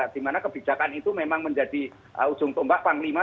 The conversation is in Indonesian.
di mana kebijakan itu memang menjadi ujung tombak panglima